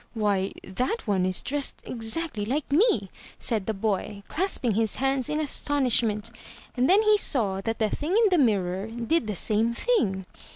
"Why, that one is dressed exactly like me!" said the boy, clasping his hands in astonishment. And then he saw that the thing in the mirror did the same thing.